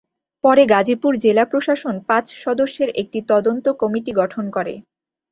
পরে গাজীপুর জেলা প্রশাসন পাঁচ সদস্যের একটি তদন্ত কমিটি গঠন করে।